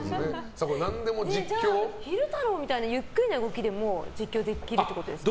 昼太郎みたいなゆっくりな動きでも実況できるってことですか？